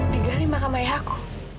digali makam ayah aku